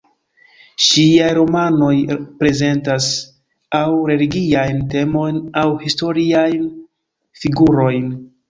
Ŝiaj romanoj prezentas aŭ religiajn temojn, aŭ historiajn figurojn.